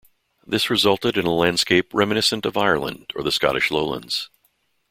This resulted in a landscape reminiscent of Ireland or the Scottish lowlands.